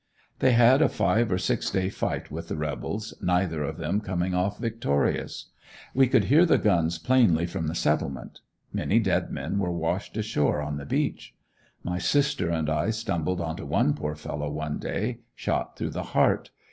They had a five or six day fight with the rebels, neither of them coming off victorious. We could hear the guns plainly from the "Settlement." Many dead men were washed ashore on the beach. My sister and I stumbled onto one poor fellow one day, shot through the heart.